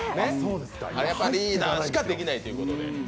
やっぱりリーダーしかできないっていうことで。